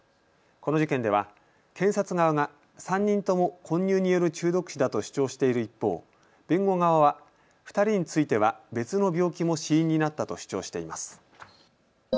この事件では検察側が３人とも混入による中毒死だと主張している一方、弁護側は２人については別の病気も死因になったと主張しています。